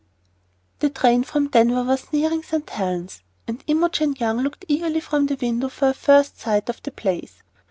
THE train from Denver was nearing St. Helen's, and Imogen Young looked eagerly from the window for a first sight of the place.